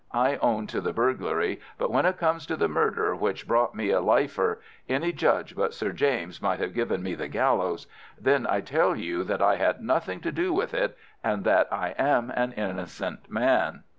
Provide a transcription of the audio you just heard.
I own to the burglary, but when it comes to the murder which brought me a lifer—any judge but Sir James might have given me the gallows—then I tell you that I had nothing to do with it, and that I am an innocent man.